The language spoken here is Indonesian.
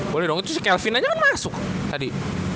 boleh dong itu sih kelvin aja kan masuk tadi